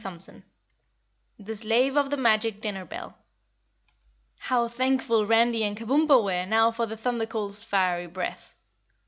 CHAPTER 14 The Slave of the Magic Dinner Bell How thankful Randy and Kabumpo were now for the Thunder Colt's fiery breath.